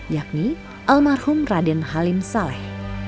yakni almarhum raden halim saleh